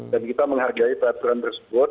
dan kita menghargai taturan tersebut